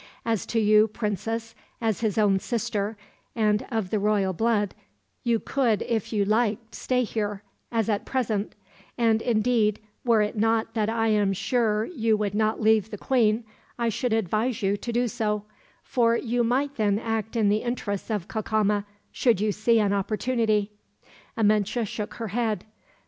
"As to you, Princess, as his own sister, and of the royal blood, you could if you liked stay here, as at present; and indeed, were it not that I am sure you would not leave the queen, I should advise you to do so; for you might then act in the interests of Cacama, should you see an opportunity." Amenche shook her head.